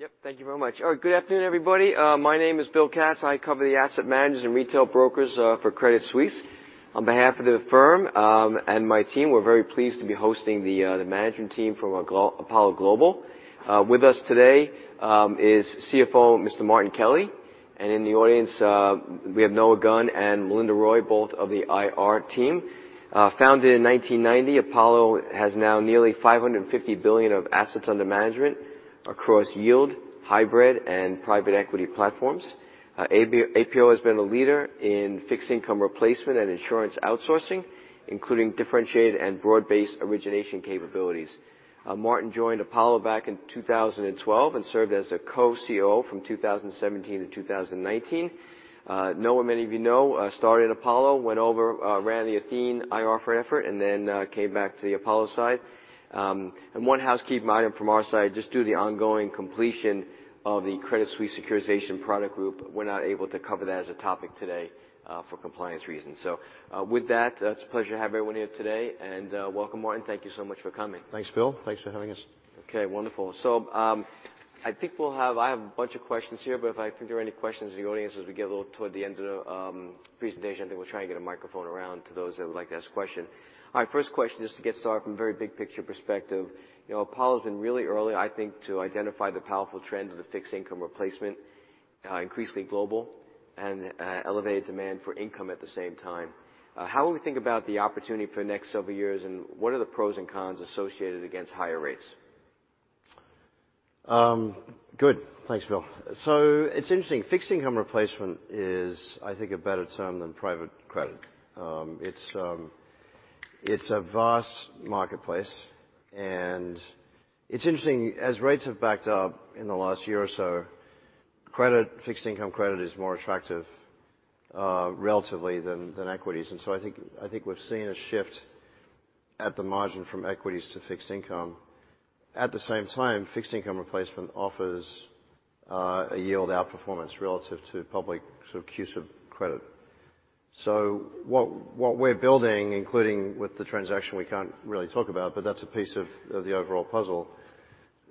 Yep. Thank you very much. Good afternoon, everybody. My name is Bill Katz. I cover the asset managers and retail brokers for Credit Suisse. On behalf of the firm and my team, we're very pleased to be hosting the management team from Apollo Global. With us today is CFO, Mr. Martin Kelly. In the audience, we have Noah Gunn and Melinda Roy, both of the IR Team. Founded in 1990, Apollo has now nearly $550 billion of assets under management across yield, hybrid, and private equity platforms. APO has been a leader in fixed income replacement and insurance outsourcing, including differentiated and broad-based origination capabilities. Martin joined Apollo back in 2012 and served as the co-CEO from 2017 to 2019. Noah, many of you know, started Apollo, went over, ran the Athene IR effort, and then, came back to the Apollo side. One housekeeping item from our side, just due to the ongoing completion of the Credit Suisse Securitized Products Group, we're not able to cover that as a topic today, for compliance reasons. With that, it's a pleasure to have everyone here today, and, welcome, Martin. Thank you so much for coming. Thanks, Bill. Thanks for having us. Okay, wonderful. I think we'll have... I have a bunch of questions here, but if there are any questions in the audience as we get a little toward the end of the presentation, I think we'll try and get a microphone around to those that would like to ask a question. Our first question is to get started from a very big picture perspective. You know, Apollo's been really early, I think, to identify the powerful trend of the fixed income replacement, increasingly global and elevated demand for income at the same time. How would we think about the opportunity for the next several years, and what are the pros and cons associated against higher rates? Good. Thanks, Bill. It's interesting. fixed income replacement is, I think, a better term than private credit. It's a vast marketplace, and it's interesting. As rates have backed up in the last year or so, credit, fixed income credit is more attractive, relatively than equities. I think we've seen a shift at the margin from equities to fixed income. At the same time, fixed income replacement offers a yield outperformance relative to public sort of cues of credit. What we're building, including with the transaction we can't really talk about, but that's a piece of the overall puzzle,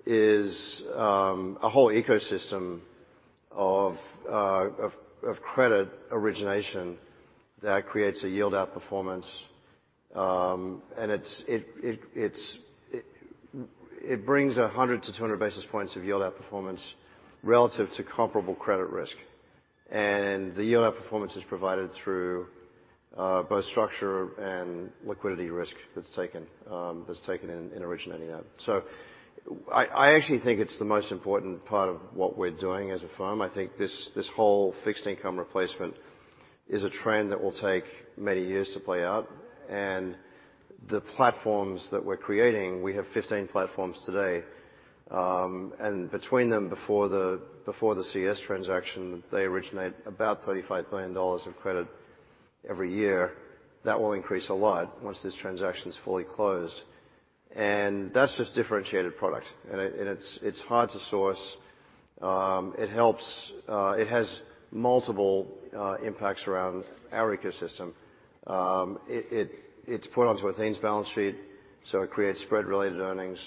is a whole ecosystem of credit origination that creates a yield outperformance. It brings 100-200 basis points of yield outperformance relative to comparable credit risk. The yield outperformance is provided through both structure and liquidity risk that's taken in originating that. I actually think it's the most important part of what we're doing as a firm. I think this whole fixed income replacement is a trend that will take many years to play out. The platforms that we're creating, we have 15 platforms today, and between them, before the CS transaction, they originate about $35 billion of credit every year. That will increase a lot once this transaction is fully closed. That's just differentiated product. It's hard to source. It helps. It has multiple impacts around our ecosystem. It's put onto Athene's balance sheet, so it creates spread-related earnings.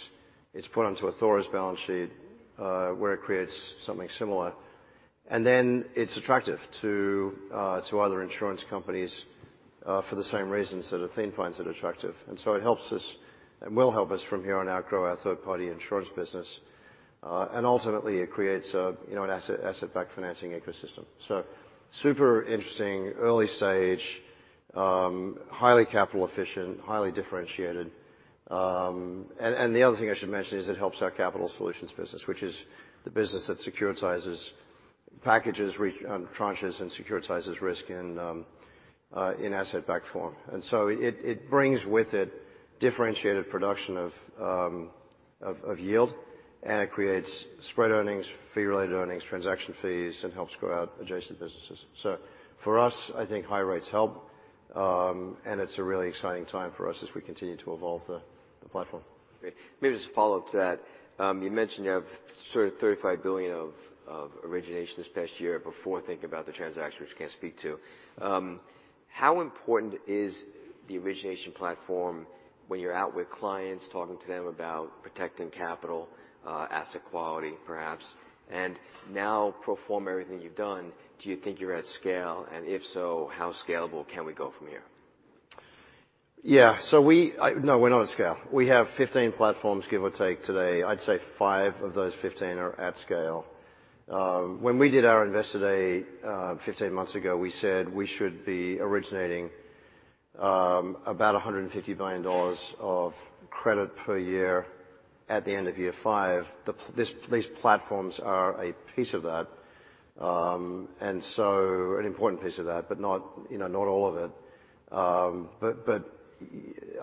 It's put onto Athora's balance sheet, where it creates something similar. Then it's attractive to other insurance companies, for the same reasons that Athene finds it attractive. It helps us, and will help us from here on out grow our third-party insurance business. Ultimately, it creates a, you know, an asset-backed financing ecosystem. Super interesting, early stage, highly capital efficient, highly differentiated. The other thing I should mention is it helps our capital solutions business, which is the business that securitizes packages tranches and securitizes risk in asset-backed form. It brings with it differentiated production of yield, and it creates spread earnings, fee-related earnings, transaction fees, and helps grow out adjacent businesses. For us, I think high rates help, and it's a really exciting time for us as we continue to evolve the platform. Great. Maybe just a follow-up to that. You mentioned you have sort of $35 billion of origination this past year before thinking about the transaction, which you can't speak to. How important is the origination platform when you're out with clients, talking to them about protecting capital, asset quality perhaps, and now pro forma everything you've done, do you think you're at scale? If so, how scalable can we go from here? Yeah. No, we're not at scale. We have 15 platforms, give or take, today. I'd say five of those 15 are at scale. When we did our Investor Day, 15 months ago, we said we should be originating about $150 billion of credit per year at the end of year five. These platforms are a piece of that, an important piece of that, but not, you know, not all of it.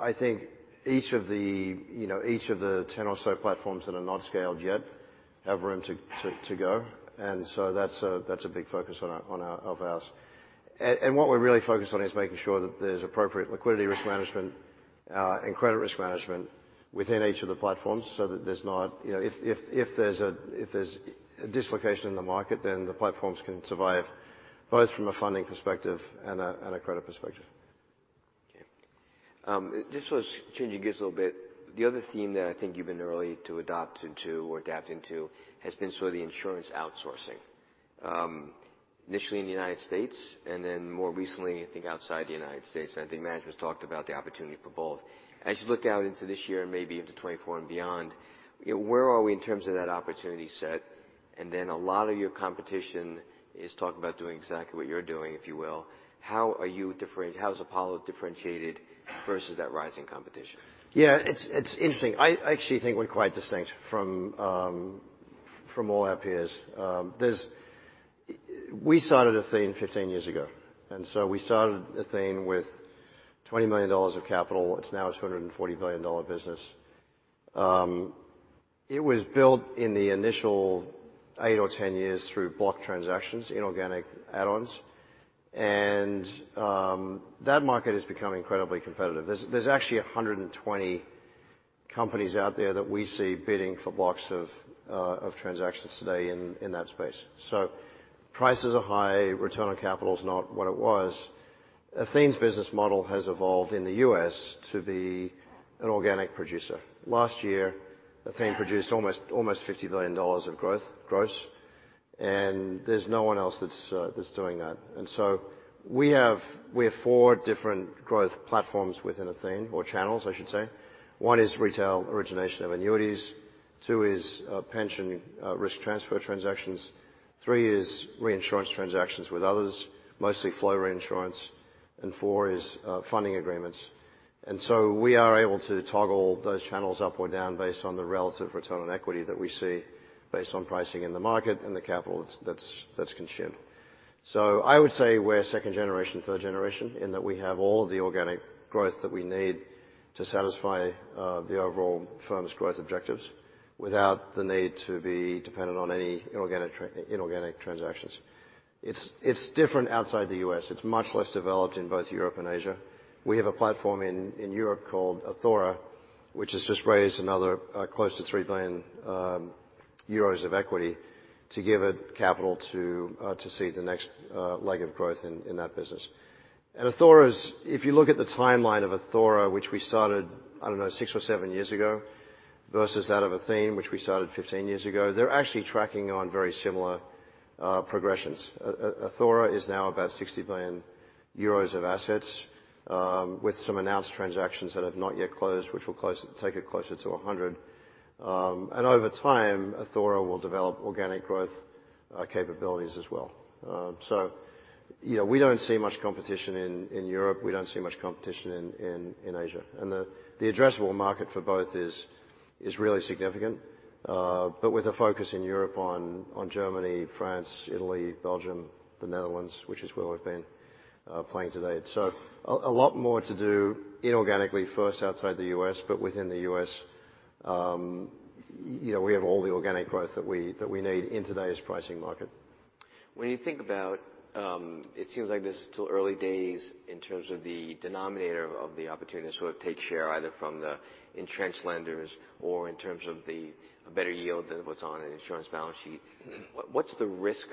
I think each of the, you know, each of the 10 or so platforms that are not scaled yet have room to go. That's a big focus of ours. What we're really focused on is making sure that there's appropriate liquidity risk management, and credit risk management within each of the platforms so that there's not. You know, if there's a dislocation in the market, then the platforms can survive both from a funding perspective and a credit perspective. Just changing gears a little bit, the other theme that I think you've been early to adopt into or adapt into has been sort of the insurance outsourcing. Initially in the United States, and then more recently, I think outside the United States. I think management's talked about the opportunity for both. As you look out into this year and maybe into 2024 and beyond, you know, where are we in terms of that opportunity set? A lot of your competition is talking about doing exactly what you're doing, if you will. How are you different? How is Apollo differentiated versus that rising competition? Yeah. It's interesting. I actually think we're quite distinct from all our peers. We started Athene 15 years ago, we started Athene with $20 million of capital. It's now a $240 million business. It was built in the initial eight or 10 years through block transactions, inorganic add-ons. That market has become incredibly competitive. There's actually 120 companies out there that we see bidding for blocks of transactions today in that space. Prices are high, return on capital is not what it was. Athene's business model has evolved in the U.S. to be an organic producer. Last year, Athene produced almost $50 billion of gross, there's no one else that's doing that. We have four different growth platforms within Athene, or channels, I should say. One is retail origination of annuities. Two is pension risk transfer transactions. Three is reinsurance transactions with others, mostly flow reinsurance. Four is funding agreements. We are able to toggle those channels up or down based on the relative return on equity that we see based on pricing in the market and the capital that's consumed. I would say we're second generation, third generation, in that we have all of the organic growth that we need to satisfy the overall firm's growth objectives without the need to be dependent on any inorganic transactions. It's different outside the U.S. It's much less developed in both Europe and Asia. We have a platform in Europe called Athora, which has just raised another close to 3 billion euros of equity to give it capital to seed the next leg of growth in that business. If you look at the timeline of Athora, which we started, I don't know, six or seven years ago, versus that of Athene, which we started 15 years ago, they're actually tracking on very similar progressions. Athora is now about 60 billion euros of assets, with some announced transactions that have not yet closed, which will take it closer to 100 billion. Over time, Athora will develop organic growth capabilities as well. You know, we don't see much competition in Europe. We don't see much competition in Asia. The addressable market for both is really significant, but with a focus in Europe on Germany, France, Italy, Belgium, The Netherlands, which is where we've been playing to date. A lot more to do inorganically first outside the U.S., but within the U.S., you know, we have all the organic growth that we need in today's pricing market. When you think about, it seems like this is still early days in terms of the denominator of the opportunity to sort of take share either from the entrenched lenders or in terms of the better yield than what's on an insurance balance sheet. What's the risk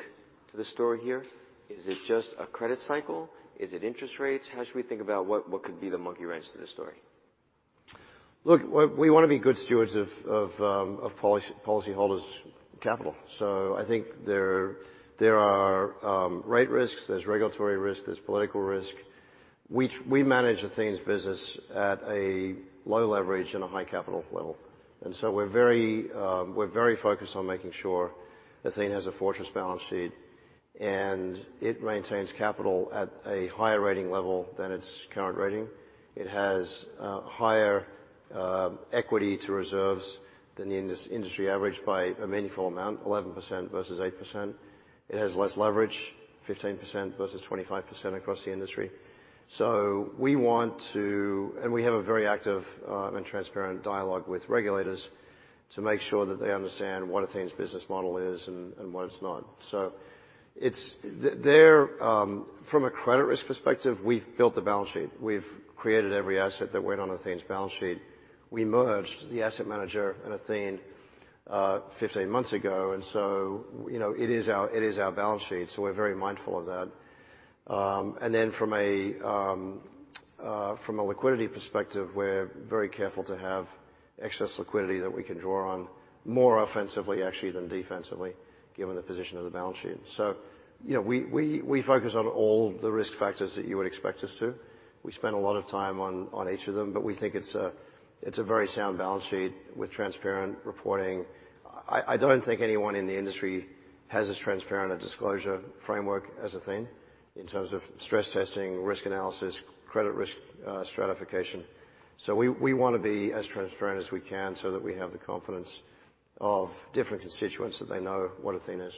to the story here? Is it just a credit cycle? Is it interest rates? How should we think about what could be the monkey wrench to this story? Look, we wanna be good stewards of policyholders' capital. I think there are rate risks, there's regulatory risk, there's political risk. We manage Athene's business at a low leverage and a high capital level. We're very focused on making sure Athene has a fortress balance sheet, and it maintains capital at a higher rating level than its current rating. It has higher equity to reserves than the industry average by a meaningful amount, 11% versus 8%. It has less leverage, 15% versus 25% across the industry. We want to... We have a very active and transparent dialogue with regulators to make sure that they understand what Athene's business model is and what it's not. It's... There, from a credit risk perspective, we've built the balance sheet. We've created every asset that went on Athene's balance sheet. We merged the asset manager and Athene, 15 months ago. You know, it is our balance sheet, so we're very mindful of that. From a liquidity perspective, we're very careful to have excess liquidity that we can draw on more offensively actually than defensively, given the position of the balance sheet. You know, we focus on all the risk factors that you would expect us to. We spend a lot of time on each of them, but we think it's a very sound balance sheet with transparent reporting. I don't think anyone in the industry has as transparent a disclosure framework as Athene in terms of stress testing, risk analysis, credit risk stratification. We wanna be as transparent as we can so that we have the confidence of different constituents, that they know what Athene is.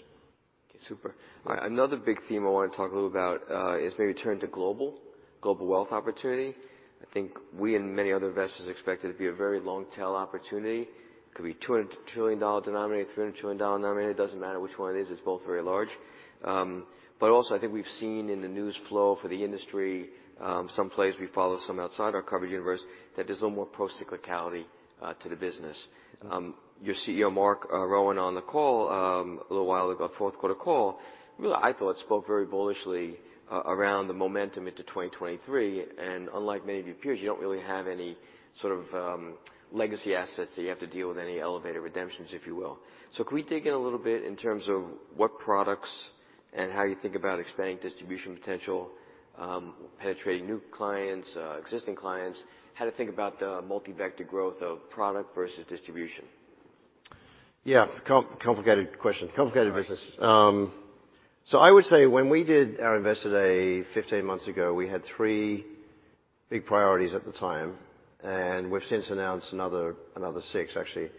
Okay. Super. All right. Another big theme I wanna talk a little about, is maybe turn to global wealth opportunity. I think we and many other investors expect it to be a very long tail opportunity. It could be $200 trillion denominator, $300 trillion denominator. It doesn't matter which one it is, it's both very large. Also I think we've seen in the news flow for the industry, some players we follow, some outside our coverage universe. That there's no more pro cyclicality to the business. Mm-hmm. Your CEO, Marc Rowan, on the call, a little while ago, fourth quarter call, really, I thought spoke very bullishly around the momentum into 2023. Unlike many of your peers, you don't really have any sort of legacy assets that you have to deal with any elevated redemptions, if you will. Can we dig in a little bit in terms of what products and how you think about expanding distribution potential, penetrating new clients, existing clients, how to think about the multi-vector growth of product versus distribution? Yeah. Complicated question, complicated business. I would say when we did our Investor Day 15 months ago, we had three big priorities at the time, and we've since announced another six, actually.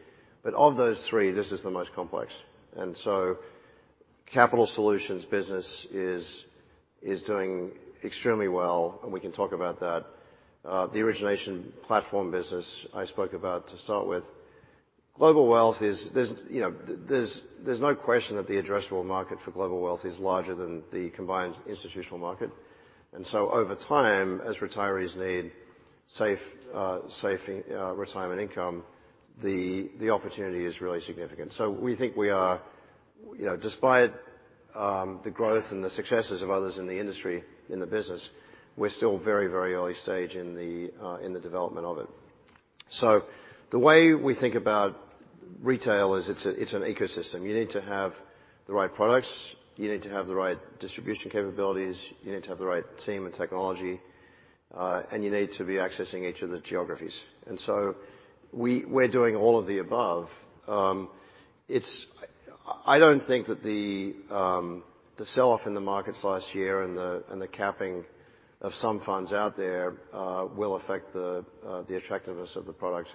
Of those three, this is the most complex. Capital Solutions business is doing extremely well, and we can talk about that. The origination platform business I spoke about to start with. Global Wealth is... There's, you know, there's no question that the addressable market for Global Wealth is larger than the combined institutional market. Over time, as retirees need safe, retirement income, the opportunity is really significant. We think we are, you know, despite the growth and the successes of others in the industry, in the business, we're still very, very early stage in the development of it. The way we think about retail is it's a, it's an ecosystem. You need to have the right products, you need to have the right distribution capabilities, you need to have the right team and technology, and you need to be accessing each of the geographies. We're doing all of the above. It's... I don't think that the sell-off in the markets last year and the, and the capping of some funds out there, will affect the attractiveness of the product,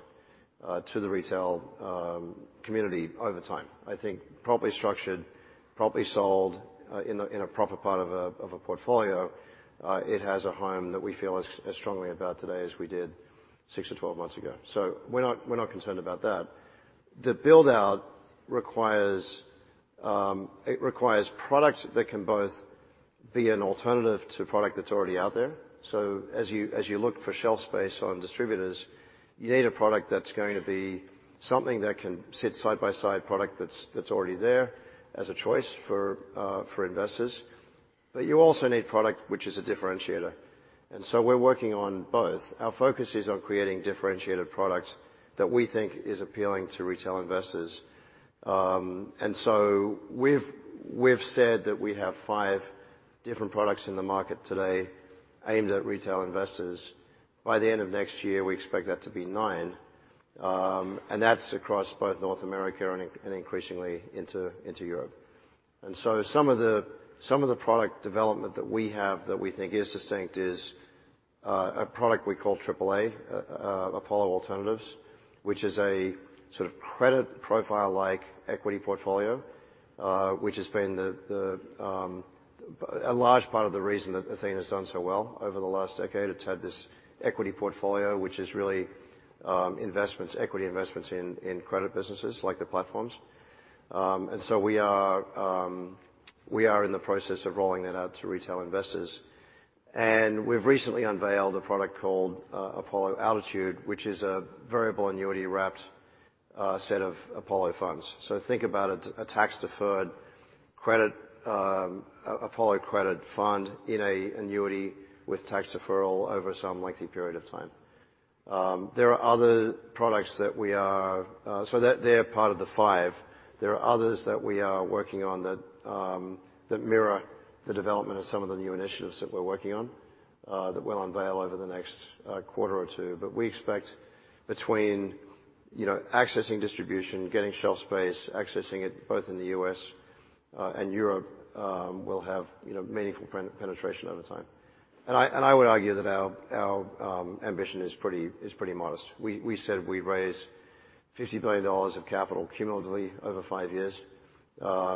to the retail community over time. I think properly structured, properly sold, in a proper part of a portfolio, it has a home that we feel as strongly about today as we did 6-12 months ago. We're not, we're not concerned about that. The build-out requires, it requires products that can both be an alternative to product that's already out there. As you look for shelf space on distributors, you need a product that's going to be something that can sit side by side product that's already there as a choice for investors. You also need product which is a differentiator. We're working on both. Our focus is on creating differentiated products that we think is appealing to retail investors. We've said that we have five different products in the market today aimed at retail investors. By the end of next year, we expect that to be nine. That's across both North America and increasingly into Europe. Some of the product development that we have that we think is distinct is a product we call AAA, Apollo Aligned Alternatives, which is a sort of credit profile like equity portfolio, which has been a large part of the reason that Athene has done so well over the last decade. It's had this equity portfolio, which is really investments, equity investments in credit businesses like the platforms. We are in the process of rolling that out to retail investors. We've recently unveiled a product called Athene Altitude, which is a variable annuity wrapped set of Apollo funds. Think about a tax-deferred credit, Apollo credit fund in a annuity with tax deferral over some lengthy period of time. There are other products that we are. They're part of the five. There are others that we are working on that mirror the development of some of the new initiatives that we're working on that we'll unveil over the next quarter or two. We expect between, you know, accessing distribution, getting shelf space, accessing it both in the U.S. and Europe, we'll have, you know, meaningful penetration over time. I would argue that our ambition is pretty modest. We said if we raise $50 billion of capital cumulatively over five years,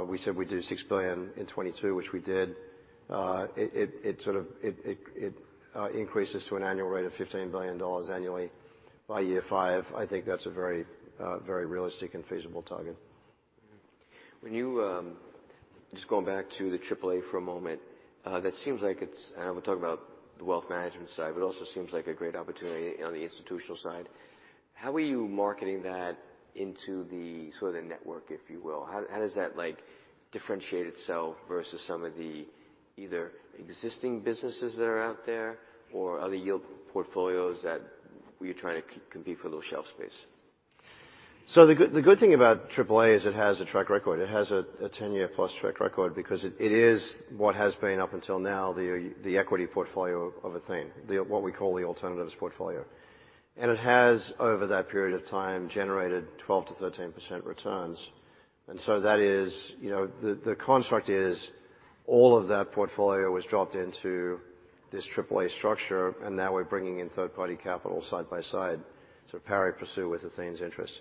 we said we'd do $6 billion in 2022, which we did. It sort of, it increases to an annual rate of $15 billion annually by year five. I think that's a very realistic and feasible target. When you, Just going back to the AAA for a moment, that seems like it's. We'll talk about the wealth management side, but it also seems like a great opportunity on the institutional side. How are you marketing that into the sort of the network, if you will? How, how does that like differentiate itself versus some of the either existing businesses that are out there or other yield portfolios that you're trying to compete for those shelf space? The good thing about AAA is it has a track record. It has a 10-year+ track record because it is what has been up until now the equity portfolio of Athene, what we call the alternatives portfolio. It has, over that period of time, generated 12%-13% returns. That is, you know. The construct is all of that portfolio was dropped into this AAA structure, and now we're bringing in third-party capital side by side to pari passu with Athene's interest.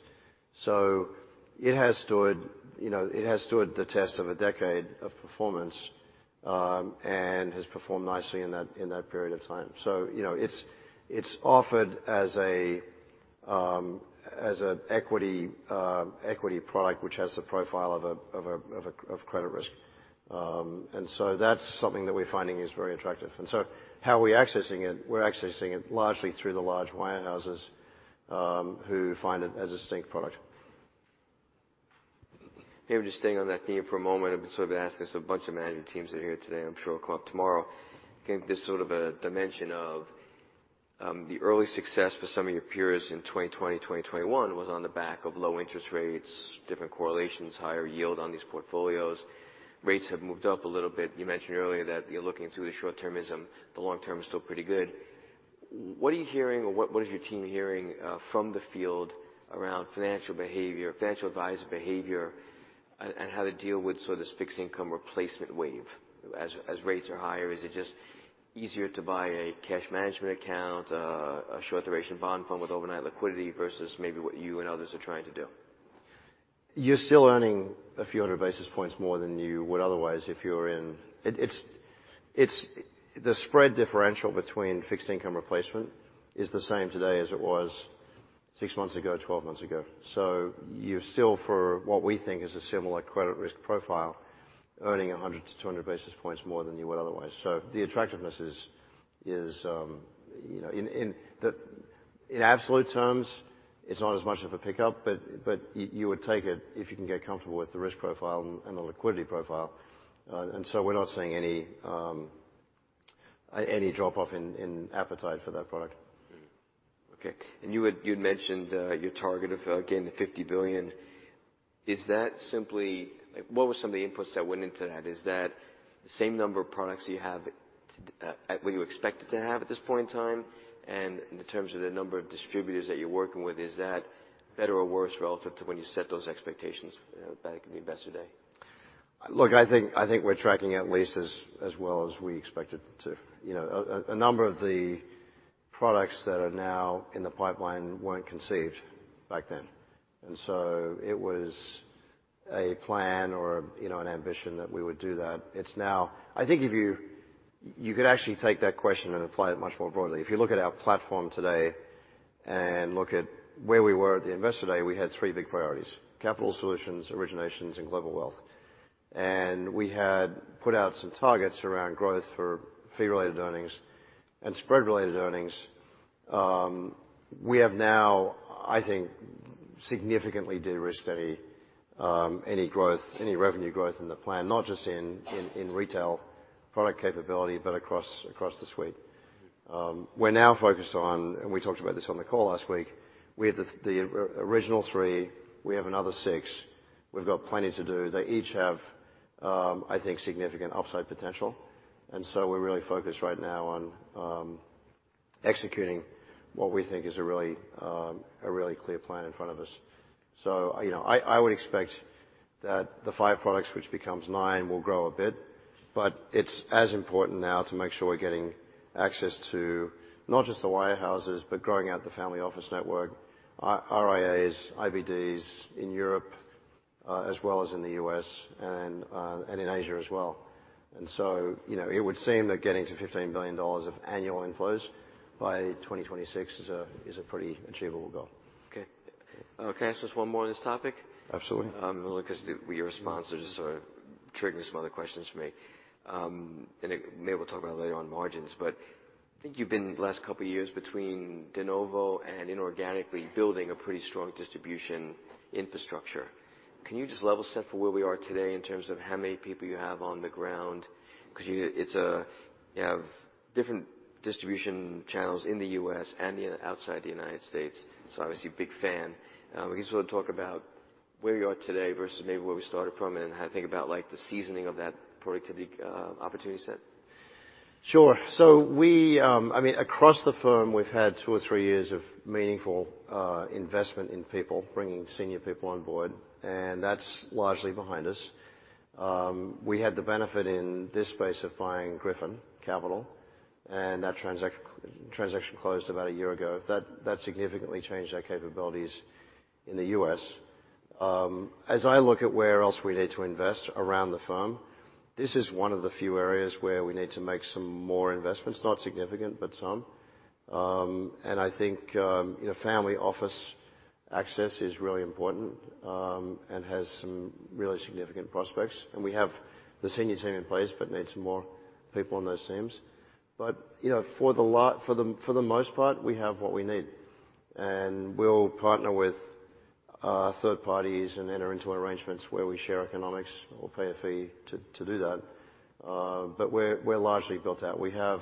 It has stood, you know, it has stood the test of a decade of performance and has performed nicely in that period of time. You know, it's offered as an equity product which has the profile of a credit risk. That's something that we're finding is very attractive. How are we accessing it? We're accessing it largely through the large wirehouses, who find it as a distinct product. Maybe just staying on that theme for a moment, I've been sort of asking this of a bunch of management teams that are here today, I'm sure will come up tomorrow. I think there's sort of a dimension of the early success for some of your peers in 2020, 2021 was on the back of low interest rates, different correlations, higher yield on these portfolios. Rates have moved up a little bit. You mentioned earlier that you're looking through the short-termism. The long term is still pretty good. What are you hearing or what is your team hearing from the field around financial behavior, financial advisor behavior, and how to deal with sort of this fixed income replacement wave? As rates are higher, is it just easier to buy a cash management account, a short duration bond fund with overnight liquidity versus maybe what you and others are trying to do? You're still earning a few hundred basis points more than you would otherwise if you're in. The spread differential between fixed income replacement is the same today as it was six months ago, 12 months ago. You're still, for what we think is a similar credit risk profile, earning 100 to 200 basis points more than you would otherwise. The attractiveness is, you know, in absolute terms, it's not as much of a pickup, but you would take it if you can get comfortable with the risk profile and the liquidity profile. We're not seeing any drop-off in appetite for that product. Okay. You'd mentioned, again, your target of $50 billion. Is that simply... What were some of the inputs that went into that? Is that the same number of products you have, well, you expected to have at this point in time? In terms of the number of distributors that you're working with, is that better or worse relative to when you set those expectations back in the Investor Day? Look, I think we're tracking at least as well as we expected to. You know, a number of the products that are now in the pipeline weren't conceived back then. It was a plan or, you know, an ambition that we would do that. It's now. I think if you could actually take that question and apply it much more broadly. If you look at our platform today and look at where we were at the Investor Day, we had three big priorities: capital solutions, originations, and global wealth. We had put out some targets around growth for fee-related earnings and spread-related earnings. We have now, I think, significantly de-risked any growth, any revenue growth in the plan, not just in retail product capability, but across the suite. We're now focused on, and we talked about this on the call last week, we had the original three. We have another six. We've got plenty to do. They each have, I think, significant upside potential. We're really focused right now on executing what we think is a really clear plan in front of us. You know, I would expect that the five products, which becomes nine, will grow a bit, but it's as important now to make sure we're getting access to not just the wirehouses, but growing out the family office network, RIAs, IBDs in Europe, as well as in the U.S. and in Asia as well. You know, it would seem that getting to $15 billion of annual inflows by 2026 is a, is a pretty achievable goal. Okay. Okay. Can I ask just one more on this topic? Absolutely. Well, look, 'cause your sponsors are triggering some other questions for me. Maybe we'll talk about it later on margins. I think you've been the last couple of years between de novo and inorganically building a pretty strong distribution infrastructure. Can you just level set for where we are today in terms of how many people you have on the ground? Because you have different distribution channels in the U.S. and outside the United States, so obviously a big fan. Can you sort of talk about where you are today versus maybe where we started from and how to think about like the seasoning of that productivity, opportunity set? Sure. We, across the firm, we've had two or three years of meaningful investment in people, bringing senior people on board, and that's largely behind us. We had the benefit in this space of buying Griffin Capital, and that transaction closed about one year ago. That significantly changed our capabilities in the U.S. As I look at where else we need to invest around the firm, this is one of the few areas where we need to make some more investments. Not significant, but some. And I think, you know, family office access is really important, and has some really significant prospects. And we have the senior team in place, but need some more people on those teams. You know, for the most part, we have what we need. We'll partner with third parties and enter into arrangements where we share economics or pay a fee to do that. We're largely built out. We have,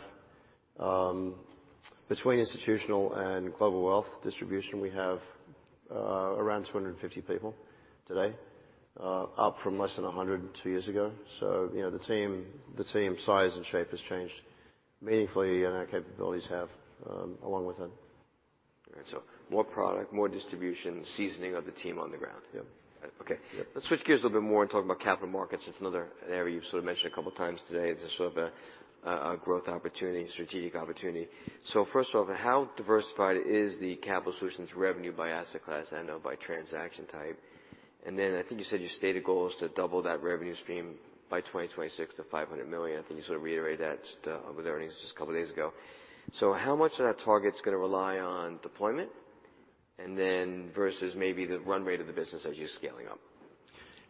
between institutional and global wealth distribution, we have, around 250 people today, up from less than 100 two years ago. You know, the team size and shape has changed meaningfully, and our capabilities have, along with it. All right. More product, more distribution, seasoning of the team on the ground. Yeah. Okay. Yeah. Let's switch gears a little bit more and talk about capital markets. It's another area you've sort of mentioned a couple times today. It's a sort of a growth opportunity, strategic opportunity. First off, how diversified is the capital solutions revenue by asset class and/or by transaction type? I think you said your stated goal is to double that revenue stream by 2026 to $500 million. I think you sort of reiterated that just with earnings just a couple days ago. How much of that target's gonna rely on deployment and then versus maybe the run rate of the business as you're scaling up?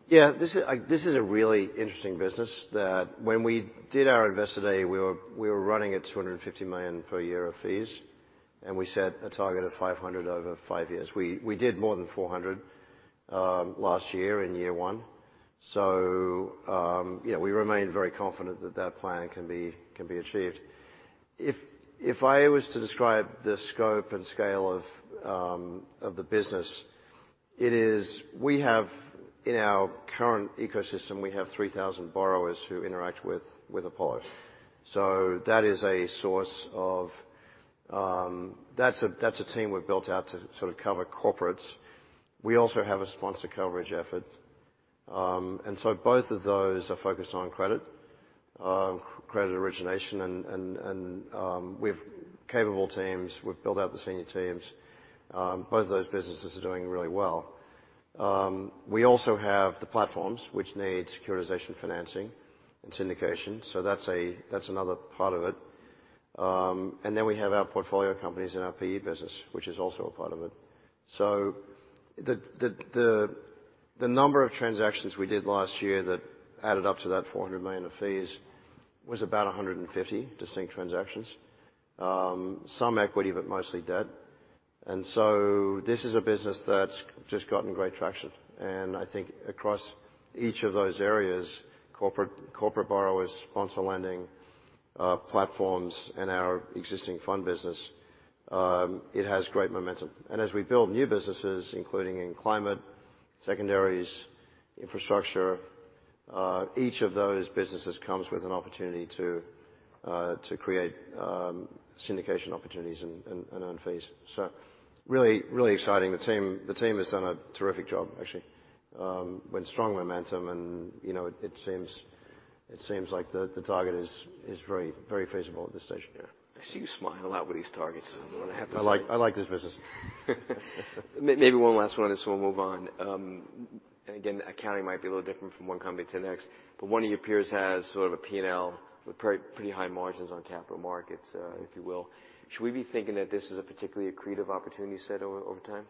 This is a really interesting business that when we did our Investor Day, we were running at $250 million per year of fees, and we set a target of $500 million over five years. We did more than $400 million last year in year one. We remain very confident that that plan can be achieved. If I was to describe the scope and scale of the business, we have in our current ecosystem, we have 3,000 borrowers who interact with Apollo. That is a source of that's a team we've built out to sort of cover corporates. We also have a sponsor coverage effort. Both of those are focused on credit origination and we've capable teams. We've built out the senior teams. Both of those businesses are doing really well. We also have the platforms which need securitization financing and syndication. That's another part of it. Then we have our portfolio companies in our PE business, which is also a part of it. The number of transactions we did last year that added up to that $400 million of fees was about 150 distinct transactions. Some equity, but mostly debt. This is a business that's just gotten great traction. I think across each of those areas, corporate borrowers, sponsor lending, platforms, and our existing fund business, it has great momentum. As we build new businesses, including in climate, secondaries, infrastructure, each of those businesses comes with an opportunity to create syndication opportunities and earn fees. Really, really exciting. The team has done a terrific job, actually, with strong momentum and, you know, it seems like the target is very, very feasible at this stage. I see you smile a lot with these targets. I'm gonna have to say I like this business. Maybe one last one on this, we'll move on. Again, accounting might be a little different from one company to the next, but one of your peers has sort of a P&L with pretty high margins on capital markets, if you will. Should we be thinking that this is a particularly accretive opportunity set over time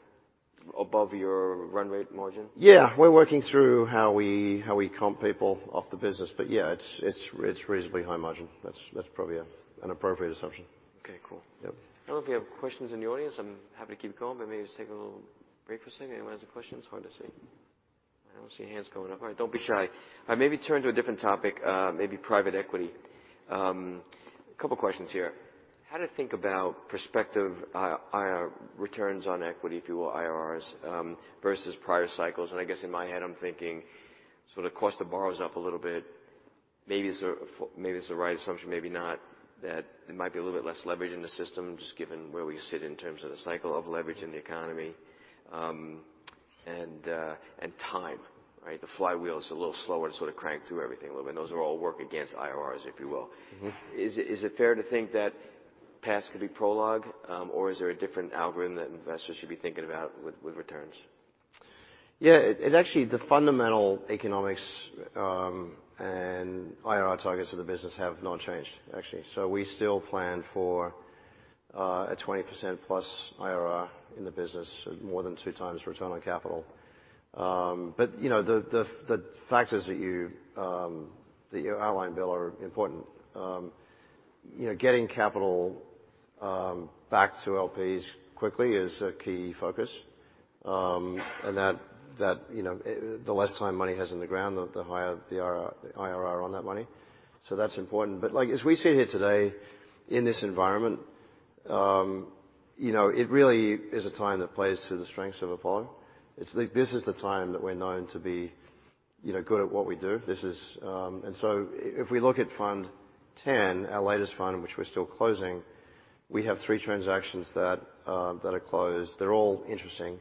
above your run rate margin? Yeah. We're working through how we comp people off the business. Yeah, it's reasonably high margin. That's probably an appropriate assumption. Okay, cool. Yep. I don't know if we have questions in the audience. I'm happy to keep going, maybe just take a little break for a second. Anyone has a question? It's hard to see. I don't see hands going up. All right, don't be shy. All right, maybe turn to a different topic, maybe private equity. A couple of questions here. How to think about prospective returns on equity, if you will, IRRs, versus prior cycles. I guess in my head, I'm thinking sort of cost of borrow is up a little bit. Maybe it's the right assumption, maybe not, that it might be a little bit less leverage in the system, just given where we sit in terms of the cycle of leverage in the economy, and time, right? The flywheel is a little slower to sort of crank through everything a little bit. Those are all work against IRRs, if you will. Mm-hmm. Is it fair to think that past could be prologue? Is there a different algorithm that investors should be thinking about with returns? Yeah. It, actually, the fundamental economics, and IRR targets of the business have not changed, actually. We still plan for a 20%+ IRR in the business, more than 2 times return on capital. You know, the factors that you, that you outlined, Bill, are important. You know, getting capital, back to LPs quickly is a key focus. That, you know, the less time money has in the ground, the higher the IRR on that money. That's important. Like, as we sit here today in this environment, you know, it really is a time that plays to the strengths of Apollo. It's like this is the time that we're known to be, you know, good at what we do. This is... If we look at Fund X, our latest fund, which we're still closing, we have three transactions that are closed. They're all interesting.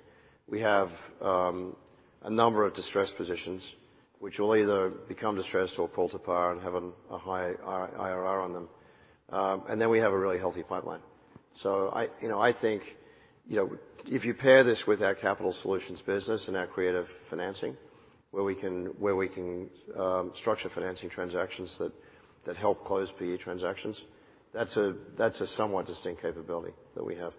We have a number of distressed positions which will either become distressed or pull to par and have a high IRR on them. Then we have a really healthy pipeline. I, you know, I think, you know, if you pair this with our capital solutions business and our creative financing where we can structure financing transactions that help close PE transactions, that's a somewhat distinct capability that we have.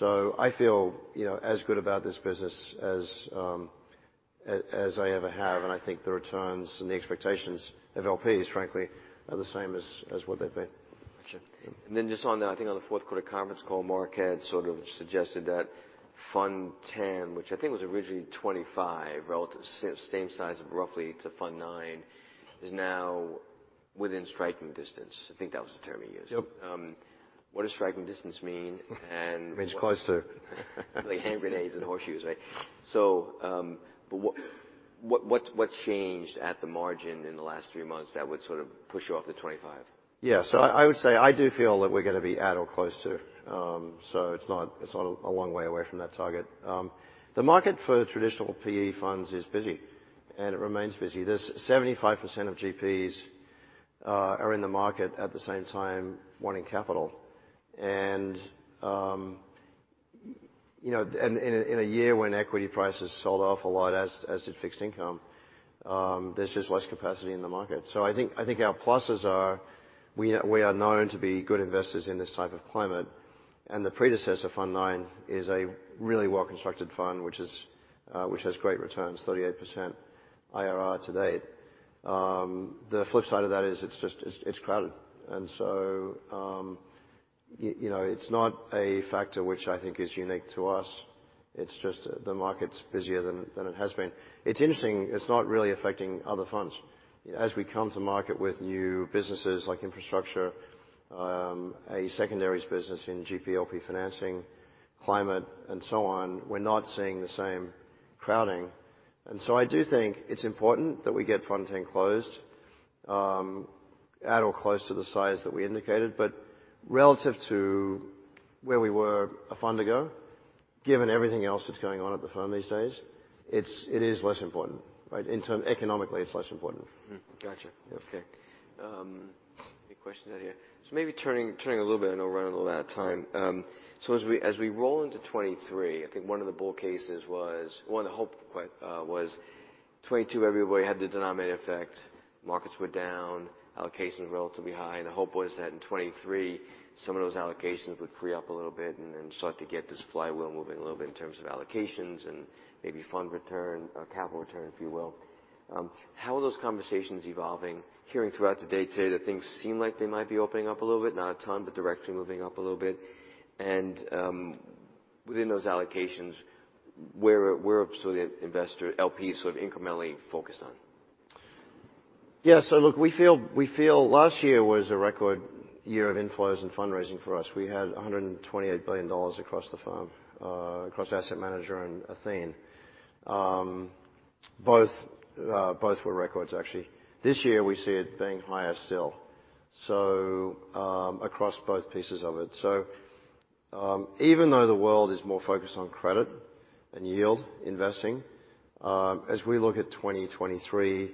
I feel, you know, as good about this business as I ever have. I think the returns and the expectations of LPs, frankly, are the same as what they've been. Got you. Just on, I think on the fourth quarter conference call, Marc had sort of suggested that Fund X, which I think was originally $25 relative, same size roughly to Fund IX, is now within striking distance. I think that was the term he used. Yep. What does striking distance mean? It means close to. Like hand grenades and horseshoes, right? What's changed at the margin in the last few months that would sort of push you off to 25? I would say I do feel that we're gonna be at or close to, so it's not, it's not a long way away from that target. The market for traditional PE funds is busy, and it remains busy. There's 75% of GPs are in the market at the same time wanting capital. You know, and in a year when equity prices sold off a lot as did fixed income, there's just less capacity in the market. I think, I think our pluses are we are, we are known to be good investors in this type of climate. And the predecessor Fund IX is a really well-constructed fund which is, which has great returns, 38% IRR to date. The flip side of that is it's just, it's crowded. You know, it's not a factor which I think is unique to us. It's just the market's busier than it has been. It's interesting. It's not really affecting other funds. As we come to market with new businesses like infrastructure, a secondaries business in GP/LP financing, climate and so on, we're not seeing the same crowding. I do think it's important that we get Fund X closed at or close to the size that we indicated. Relative to where we were a fund ago, given everything else that's going on at the firm these days, it is less important, right? Economically, it's less important. Mm-hmm. Gotcha. Yeah. Okay. any questions out here? Maybe turning a little bit, I know we're running a little out of time. As we roll into 23, I think one of the bull cases was... One hope was 22 everybody had the denominator effect. Markets were down, allocations relatively high. The hope was that in 23, some of those allocations would free up a little bit and then start to get this flywheel moving a little bit in terms of allocations and maybe fund return or capital return, if you will. How are those conversations evolving, hearing throughout the day today that things seem like they might be opening up a little bit, not a ton, but directionally moving up a little bit. Within those allocations, where absolutely investor LPs sort of incrementally focused on? Yeah. Look, we feel last year was a record year of inflows and fundraising for us. We had $128 billion across the firm, across asset manager and Athene. Both were records actually. This year we see it being higher still, across both pieces of it. Even though the world is more focused on credit and yield investing, as we look at 2023,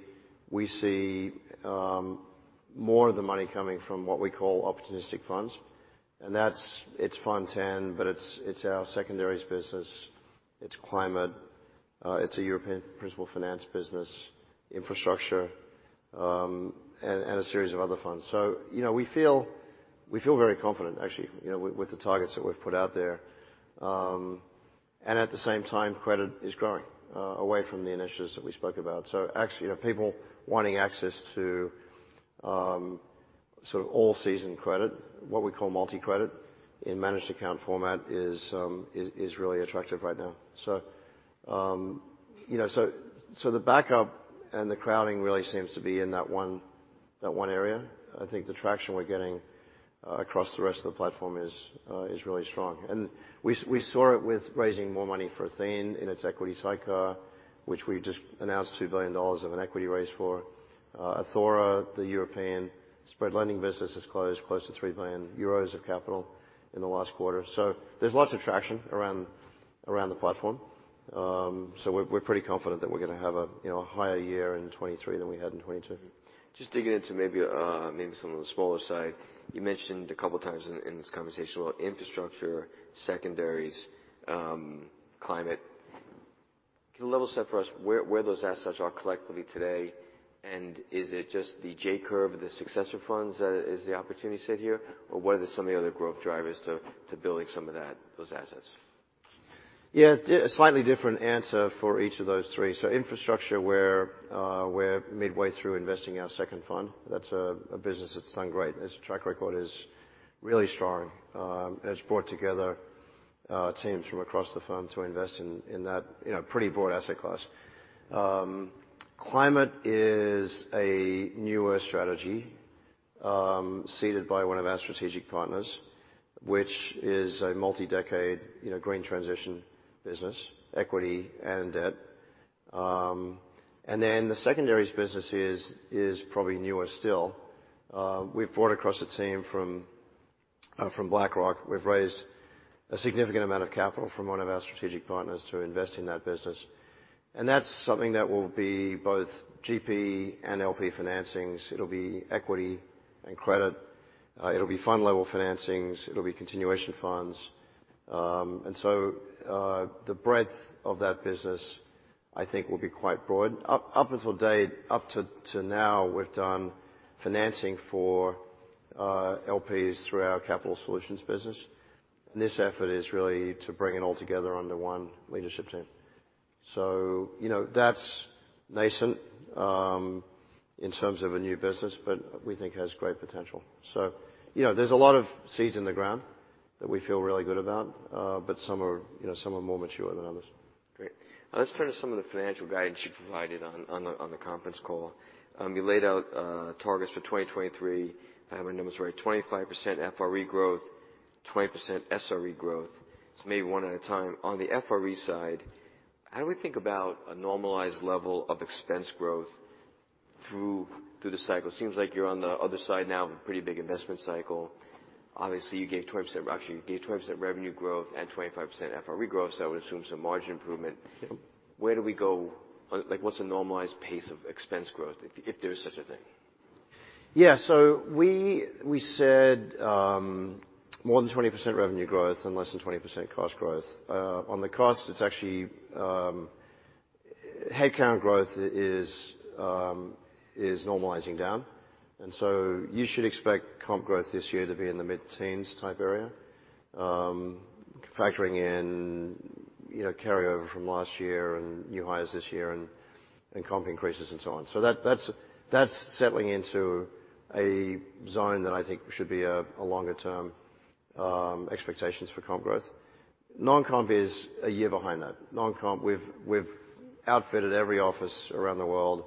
we see more of the money coming from what we call opportunistic funds. That's Fund X, but it's our secondaries business, it's climate, a European Principal Finance business, infrastructure, and a series of other funds. You know, we feel very confident actually, you know, with the targets that we've put out there. At the same time, credit is growing away from the initiatives that we spoke about. Actually, you know, people wanting access to sort of all season credit, what we call multi-credit in managed account format is really attractive right now. You know, so the backup and the crowding really seems to be in that one area. I think the traction we're getting across the rest of the platform is really strong. We, we saw it with raising more money for Athene in its equity sidecar, which we just announced $2 billion of an equity raise for. Athora, the European spread lending business has closed close to 3 billion euros of capital in the last quarter. There's lots of traction around the platform. We're pretty confident that we're gonna have a, you know, a higher year in 2023 than we had in 2022. Just digging into maybe some of the smaller side. You mentioned a couple times in this conversation about infrastructure, secondaries, climate. Can you level set for us where those assets are collectively today, and is it just the J-curve of the successor funds, is the opportunity set here? What are some of the other growth drivers to building those assets? A slightly different answer for each of those three. Infrastructure, we're midway through investing our second fund. That's a business that's done great. Its track record is really strong. It's brought together teams from across the firm to invest in that, you know, pretty broad asset class. Climate is a newer strategy, seeded by one of our strategic partners, which is a multi-decade, you know, green transition business, equity and debt. The secondaries business is probably newer still. We've brought across a team from BlackRock. We've raised a significant amount of capital from one of our strategic partners to invest in that business. That's something that will be both GP and LP financings. It'll be equity and credit. It'll be fund level financings. It'll be continuation funds. The breadth of that business, I think will be quite broad. Up to now, we've done financing for LPs through our capital solutions business. This effort is really to bring it all together under one leadership team. You know, that's nascent in terms of a new business, but we think has great potential. You know, there's a lot of seeds in the ground that we feel really good about. Some are, you know, some are more mature than others. Great. Let's turn to some of the financial guidance you provided on the conference call. You laid out targets for 2023. If I have my numbers right, 25% FRE growth, 20% SRE growth. Maybe one at a time. On the FRE side, how do we think about a normalized level of expense growth through to the cycle? Seems like you're on the other side now of a pretty big investment cycle. Obviously, actually you gave 20% revenue growth and 25% FRE growth. I would assume some margin improvement. Yep. Where do we go? Like what's a normalized pace of expense growth if there is such a thing? Yeah. We said more than 20% revenue growth and less than 20% cost growth. On the cost, it's actually Headcount growth is normalizing down. You should expect comp growth this year to be in the mid-teens type area. Factoring in, you know, carryover from last year and new hires this year and comp increases and so on. That's settling into a zone that I think should be a longer term expectations for comp growth. Non-comp is a year behind that. Non-comp, we've outfitted every office around the world.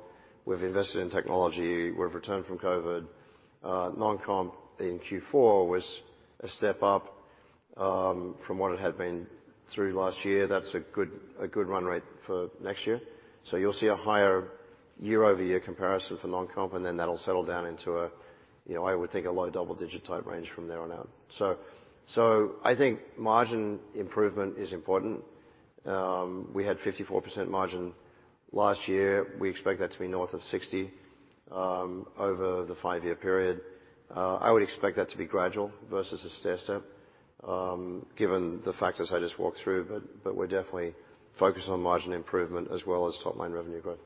We've invested in technology. We've returned from COVID. Non-comp in Q4 was a step up from what it had been through last year. That's a good run rate for next year. You'll see a higher year-over-year comparison for non-comp, and then that'll settle down into a, you know, I would think a low double digit type range from there on out. I think margin improvement is important. We had 54% margin last year. We expect that to be north of 60% over the five-year period. I would expect that to be gradual versus a stairstep, given the factors I just walked through. We're definitely focused on margin improvement as well as top-line revenue growth.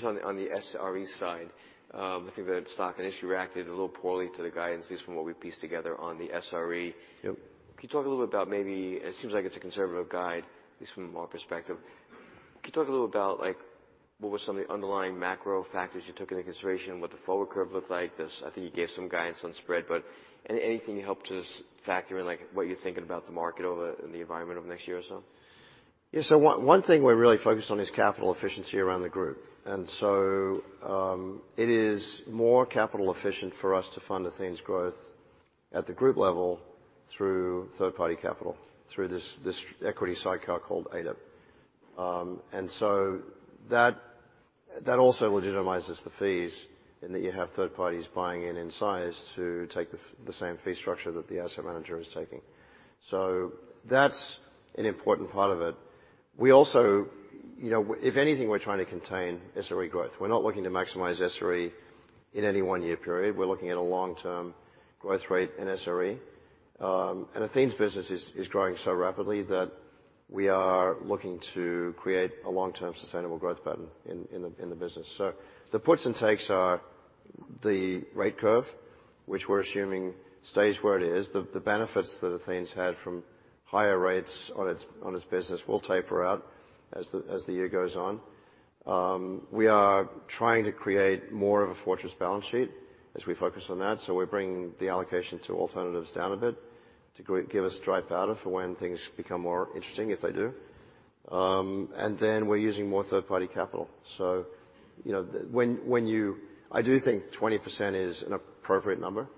John, on the SRE side, I think that stock initially reacted a little poorly to the guidance, at least from what we pieced together on the SRE. Yep. Can you talk a little bit about maybe...? It seems like it's a conservative guide, at least from a model perspective. Can you talk a little about, like, what were some of the underlying macro factors you took into consideration, what the forward curve looked like? I think you gave some guidance on spread. Anything you can help to factor in, like, what you're thinking about the market and the environment over the next year or so? One thing we're really focused on is capital efficiency around the group. it is more capital efficient for us to fund Athene's growth at the group level through third-party capital, through this equity sidecar called ADIP. that also legitimizes the fees in that you have third parties buying in in size to take the same fee structure that the asset manager is taking. That's an important part of it. We also, you know, if anything, we're trying to contain SRE growth. We're not looking to maximize SRE in any one-year period. We're looking at a long-term growth rate in SRE. Athene's business is growing so rapidly that we are looking to create a long-term sustainable growth pattern in the business. The puts and takes are the rate curve, which we're assuming stays where it is. The benefits that Athene's had from higher rates on its business will taper out as the year goes on. We are trying to create more of a fortress balance sheet as we focus on that. We're bringing the allocation to alternatives down a bit to give us dry powder for when things become more interesting, if they do. We're using more third-party capital. You know, when you... I do think 20% is an appropriate number.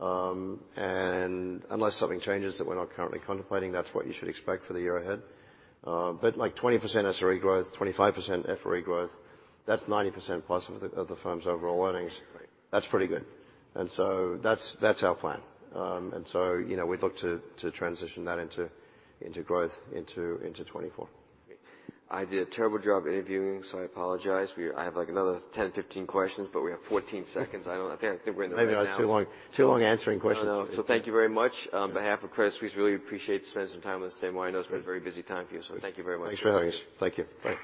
Unless something changes that we're not currently contemplating, that's what you should expect for the year ahead. Like 20% SRE growth, 25% FRE growth, that's 90%+ of the firm's overall earnings. Right. That's pretty good. That's our plan. You know, we'd look to transition that into growth into 2024. I did a terrible job interviewing, so I apologize. I have, like, another 10, 15 questions. We have 14 seconds. I don't. I think we're in the red now. Maybe I took too long. Too long answering questions. No, no. Thank you very much. On behalf of Credit Suisse, really appreciate you spending some time with us today. I know it's a very busy time for you, thank you very much. Thanks for having us. Thank you. Bye.